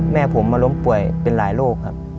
แม่ผมมาล้มป่วยเป็นหลายโรคครับ